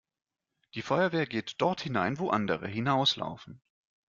Die Feuerwehr geht dort hinein, wo andere hinauslaufen.